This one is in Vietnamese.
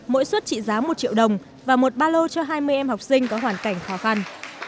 mỗi suất trị giá một triệu đồng và một ba lô cho hai mươi em học sinh có hoàn cảnh khó khăn